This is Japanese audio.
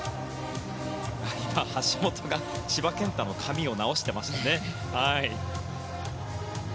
橋本が千葉健太の髪を直していましたね。